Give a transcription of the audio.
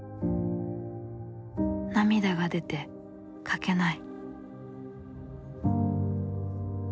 涙が出て書けない」。